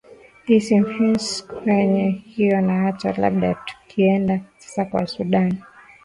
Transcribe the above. his influence kwenye hiyo na hata labda tukienda sasa kwa sudan